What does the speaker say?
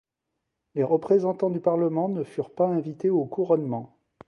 Les représentants du Parlement ne furent pas invités au couronnement.